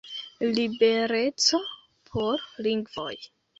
Libereco por lingvoj!